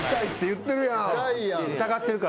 疑ってるからです。